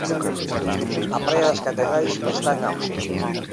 A praia das Catedrais está en auxe.